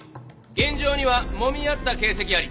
現場にはもみ合った形跡あり。